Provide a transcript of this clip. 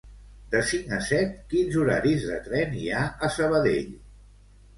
De cinc a set, quins horaris de tren hi ha a Sabadell?